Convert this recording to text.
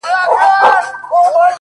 بس ده ژړا مه كوه مړ به مي كړې!